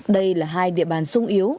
đây là hai địa bàn sung yếu